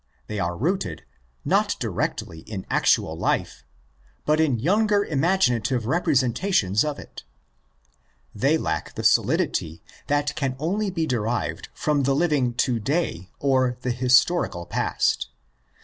They are rooted, not directly in actual life, but in younger imaginative representations of it. They lack the solidity that can only be derived from the living to day or the historical past.